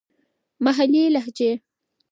محلې لهجې.